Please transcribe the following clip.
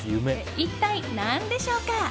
一体何でしょうか？